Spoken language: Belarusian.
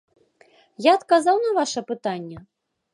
Я адказаў на ваша пытанне?